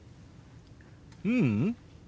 ううん。